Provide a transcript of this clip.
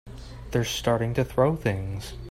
They're starting to throw things!